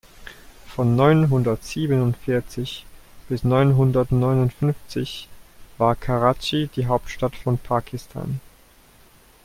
Von neunzehnhundertsiebenundvierzig bis neunzehnhundertneunundfünfzig war Karatschi die Hauptstadt von Pakistan.